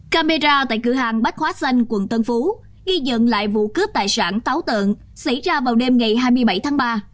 camera tại cửa hàng bách hóa xanh quận tân phú ghi dựng lại vụ cướp tài sản táo tợn xảy ra vào đêm ngày hai mươi bảy tháng ba